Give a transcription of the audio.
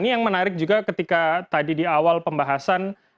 ini yang menarik juga ketika tadi di awal pembahasan